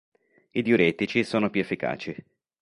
I diuretici sono più efficaci.